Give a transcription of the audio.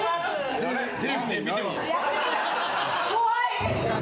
怖い。